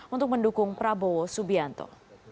untuk mendukung prabowo subianto